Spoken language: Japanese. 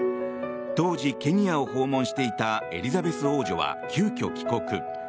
当時、ケニアを訪問していたエリザベス王女は急遽帰国。